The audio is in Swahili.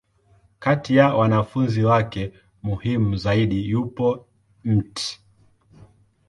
Kati ya wanafunzi wake muhimu zaidi, yupo Mt.